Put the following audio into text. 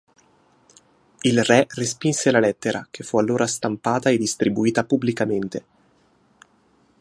Il re respinse la lettera, che fu allora stampata e distribuita pubblicamente.